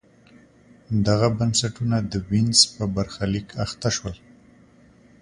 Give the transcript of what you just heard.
دغه بنسټونه د وینز په برخلیک اخته شول.